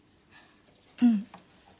うん。